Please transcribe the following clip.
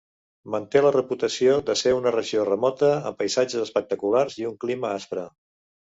Manté la reputació de ser una regió remota amb paisatges espectaculars i un clima aspre.